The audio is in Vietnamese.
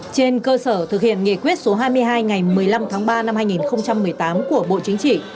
trên cơ sở thực hiện nghị quyết số hai mươi hai ngày một mươi năm tháng ba năm hai nghìn một mươi tám của bộ chính trị